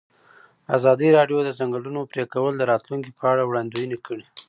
ازادي راډیو د د ځنګلونو پرېکول د راتلونکې په اړه وړاندوینې کړې.